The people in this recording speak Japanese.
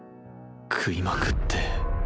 食いまくって。